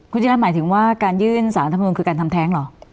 คุณจิรัตนหมายถึงว่าการยื่นสารธรรมนุนคือการทำแท้งเหรอ